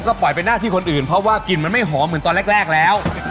ก็ปล่อยเป็นหน้าที่คนอื่นเพราะว่ากลิ่นมันไม่หอมเหมือนตอนแรกแล้ว